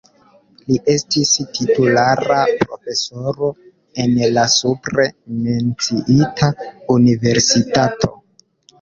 Li estis titulara profesoro en la supre menciita universitato.